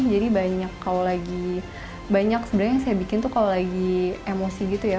jadi banyak kalau lagi banyak sebenarnya yang saya bikin tuh kalau lagi emosi gitu ya